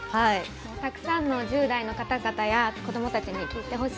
たくさんの１０代の方々や子どもたちに聞いてほしいです。